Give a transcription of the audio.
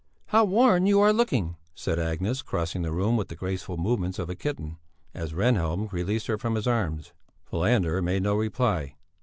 "How worn you are looking," said Agnes, crossing the room with the graceful movements of a kitten, as Rehnhjelm released her from his arms. Falander made no reply.